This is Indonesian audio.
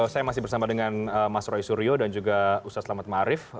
saya masih bersama dengan mas roy suryo dan juga ustaz lama tema arief